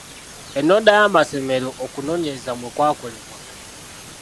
Ennonda y’amasomero okunoonyereza mwe kwakolebwa.